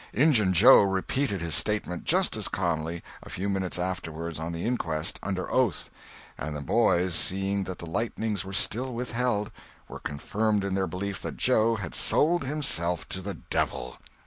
Injun Joe repeated his statement, just as calmly, a few minutes afterward on the inquest, under oath; and the boys, seeing that the lightnings were still withheld, were confirmed in their belief that Joe had sold himself to the devil.